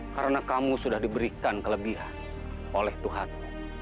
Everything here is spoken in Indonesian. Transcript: karena kamu sudah diberikan kelebihan oleh tuhanmu